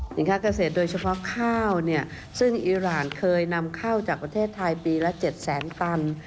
สินค้าเกษตรโดยเฉพาะข้าวซึ่งอิหร่านเคยนำข้าวจากประเทศไทยปีละ๗แสนตัน